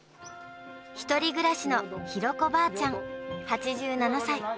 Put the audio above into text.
１人暮らしの弘子ばあちゃん８７歳。